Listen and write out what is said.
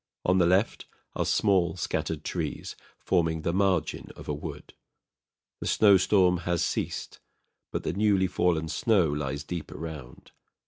On the left are small scattered trees, forming the margin of a wood. The snowstorm has ceased; but the newly fallen snow lies deep around.